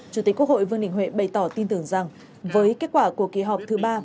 chủ tịch quốc hội vương đình huệ bày tỏ tin tưởng rằng với kết quả của kỳ họp thứ ba và các luật